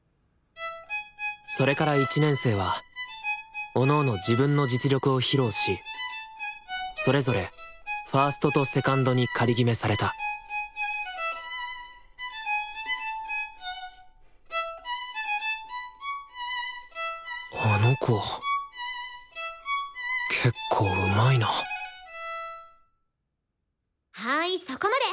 それから１年生はおのおの自分の実力を披露しそれぞれファーストとセカンドに仮決めされたあの子けっこううまいなはいそこまで。